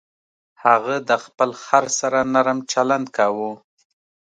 هغه د خپل خر سره نرم چلند کاوه.